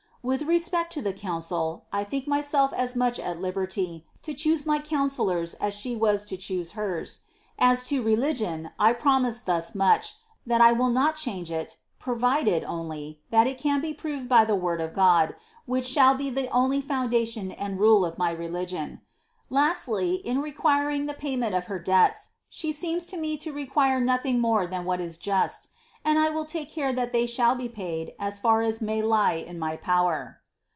With respect to the coun cil. 1 think myself as much at liberty to choose my councillors as she WM to choose hers. As to religion, I promise thus much, that 1 will lot change it, provided, only, that it can be proved by the word of God. which shall be the only foundation and rule of my religion. Lastly, in requiring the payment of her debts, she seems to me to require nothing more than what is just, and I will take care that they shall be paid as iras may lie in my power.'